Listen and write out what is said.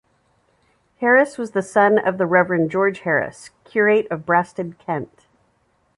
Harris was the son of the Reverend George Harris, curate of Brasted, Kent.